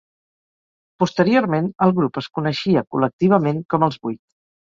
Posteriorment, el grup es coneixia col·lectivament com Els vuit.